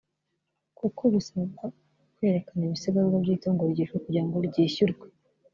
kuko bisabwa kwerekana ibisigazwa by’itungo ryishwe kugira ngo ryishyurwe